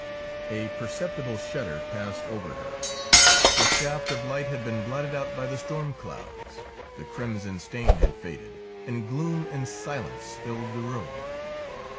A perceptible shudder passed over her. The shaft of light had been blotted out by the storm clouds, the crimson stain had faded, and gloom and silence filled the room.